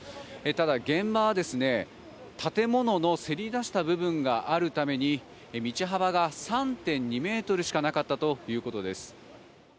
ただ、現場は建物のせり出した部分があるために道幅が３．２ｍしかなかったということです。